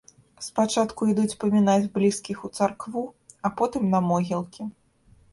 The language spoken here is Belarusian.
Спачатку ідуць памінаць блізкіх у царкву, а потым на могілкі.